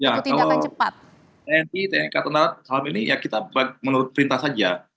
ya kalau tni tni tnik tni tni tni ini ya kita menurut perintah saja